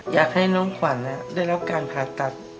อยากให้น้องขวัญด้วยแล้วการผ่าตัด